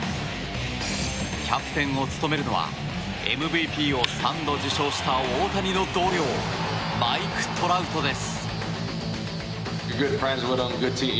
キャプテンを務めるのはＭＶＰを３度受賞した大谷の同僚マイク・トラウトです。